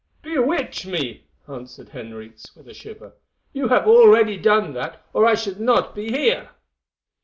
"Bewitch me!" answered Henriques with a shiver. "You have done that already, or I should not be here."